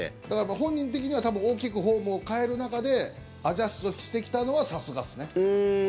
本人的には大きくフォームを変える中でアジャストしてきたのはさすがっすね。